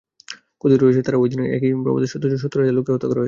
কথিত রয়েছে যে, তারা ঐ দিনের একই প্রভাতে সত্তর হাজার লোককে হত্যা করেছিল।